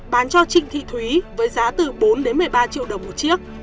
bán cho trịnh thị thúy với giá từ bốn đến một mươi ba triệu đồng một chiếc